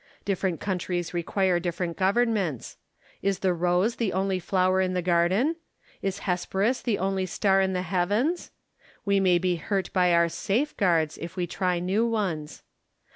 Different countries require different governments. Is the rose the only flower in the garden ? Is Hesperus the only star in the heavens ? We may be £urt by our safeguards, if we try new ones.